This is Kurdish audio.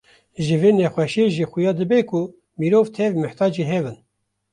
Ji vê nexweşiyê jî xuya dibe ku mirov tev mihtacê hev in.